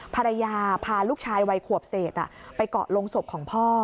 ภรรยาพาลูกชายวัยขวบเศษไปเกาะลงศพของพ่อ